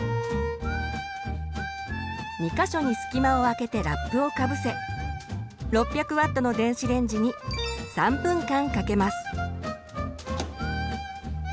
２か所に隙間をあけてラップをかぶせ６００Ｗの電子レンジに３分間かけます。